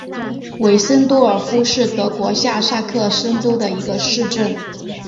韦森多尔夫是德国下萨克森州的一个市镇。